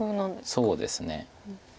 そうですね。